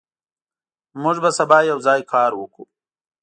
موږ به سبا یوځای کار وکړو.